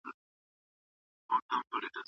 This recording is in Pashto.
اشنا راسه پر پوښتنه رنځ مي وار په وار زیاتیږي